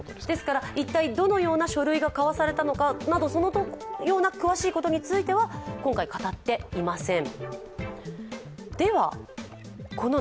一体どのような書類が交わされたのかなど、そのような詳しいことについては今回語っていません。